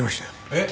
えっ？